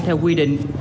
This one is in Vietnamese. theo quy định